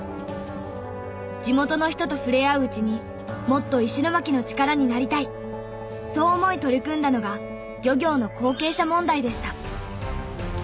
地元の人と触れ合ううちに「もっと石巻の力になりたい！」そう思い取り組んだのが漁業の後継者問題でした。